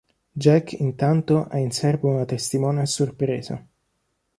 Jack intanto ha in serbo una testimone a sorpresa.